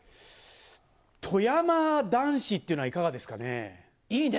富山男子っていうのはいかがいいね。